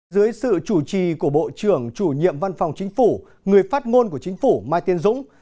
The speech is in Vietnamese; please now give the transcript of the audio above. dưới sự chủ trì của bộ trưởng chủ nhiệm văn phòng chính phủ người phát ngôn của chính phủ mai tiên dũng